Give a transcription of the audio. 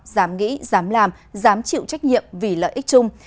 giám nghĩ giám làm giám chịu trách nhiệm vì lợi ích chung